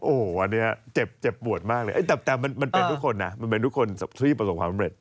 โอ้โหอันนี้เจ็บปวดมากเลยมันเป็นทุกคนนะมันเป็นทุกคนที่ประสบความสำเร็จ